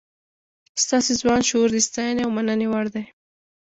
ستاسو ځوان شعور د ستاینې او مننې وړ دی.